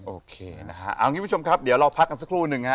โอเคนะฮะเอางี้ผู้ชมครับเดี๋ยวเราพักกันสักครู่หนึ่งฮะ